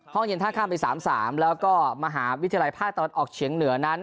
ห้องเย็นท่าข้ามไป๓๓แล้วก็มหาวิทยาลัยภาคตะวันออกเฉียงเหนือนั้น